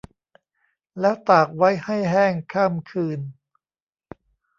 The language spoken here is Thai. แล้วตากไว้ให้แห้งข้ามคืน